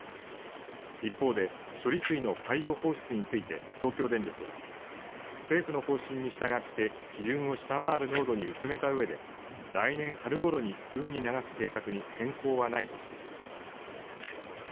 一方で処理水の海洋放出について東京電力は政府の方針に従って基準を下回る濃度に薄めたうえで、来年春ごろに海に流す計画に変更はないとしています。